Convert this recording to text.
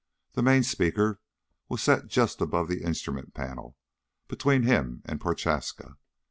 The main speaker was set just above the instrument panel, between him and Prochaska.